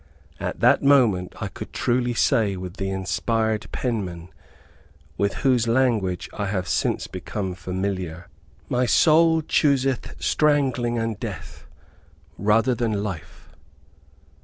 At that moment I could truly say with the inspired penman, with whose language I have since become familiar, "my soul chooseth strangling and death rather than life."